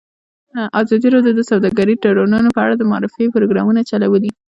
ازادي راډیو د سوداګریز تړونونه په اړه د معارفې پروګرامونه چلولي.